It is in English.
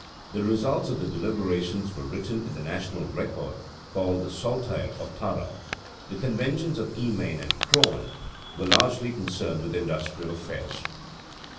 The results of the deliberations were written in the national record called the Saltair of Tara. The conventions of Emain and Croghan were largely concerned with industrial affairs (see page 137 above).